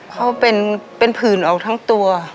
เขาเป็นผื่นออกทั้งตัว